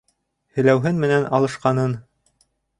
Һеләүһен менән алышҡанын...